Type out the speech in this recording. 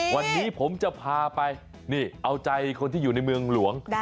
วันนี้ผมจะพาไปนี่เอาใจคนที่อยู่ในเมืองหลวง